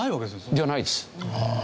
じゃないです。